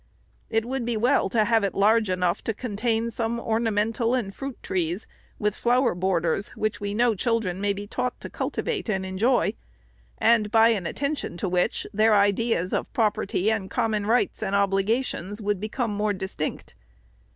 It would be well to have it large enough to contain some ornamental and fruit trees, with flower borders, which we know chil dren may be taught to cultivate and enjoy ; and by an attention to which their ideas of property, and common rights, and obligations, would become more distinct.